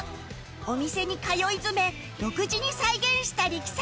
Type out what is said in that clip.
お店に通い詰め独自に再現した力作